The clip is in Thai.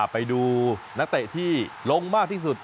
ไปดูนักเตะที่ลงมากที่สุด